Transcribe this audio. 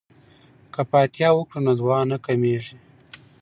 که فاتحه وکړو نو دعا نه کمیږي.